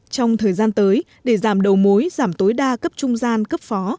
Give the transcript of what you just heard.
trong thời gian tới để giảm đầu mối giảm tối đa cấp trung gian cấp phó